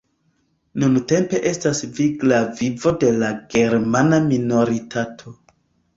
Nuntempe estas vigla vivo de la germana minoritato.